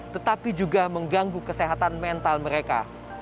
tetapi juga mengganggu kesehatan mental mereka